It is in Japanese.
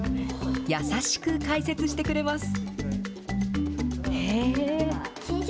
やさしく解説してくれます。